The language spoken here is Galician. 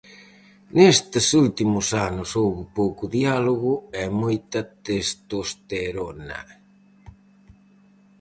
Nestes últimos anos houbo pouco diálogo e moita testosterona.